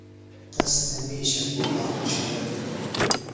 تس تھےۡ مِیشہ گُبا مشورہ دِتوۡ؟